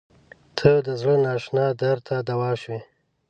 • ته د زړه نااشنا درد ته دوا شوې.